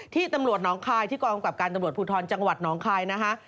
ที่ตำรวจน้องคายที่กองกำกับการตำรวจภูทรจังหวัดน้องคายนะคะ